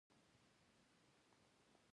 منی د افغان کلتور سره تړاو لري.